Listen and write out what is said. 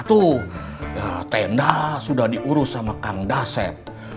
itu tenda sudah diurus sama kang daset